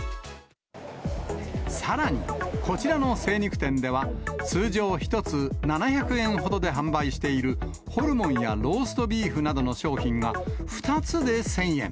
さらに、こちらの精肉店では、通常１つ７００円ほどで販売している、ホルモンやローストビーフなどの商品が、２つで１０００円。